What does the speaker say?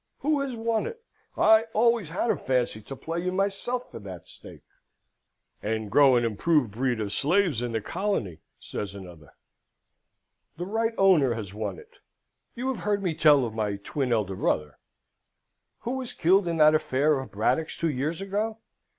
Who has won it? I always had a fancy to play you myself for that stake." "And grow an improved breed of slaves in the colony," says another. "The right owner has won it. You have heard me tell of my twin elder brother?" "Who was killed in that affair of Braddock's two years ago!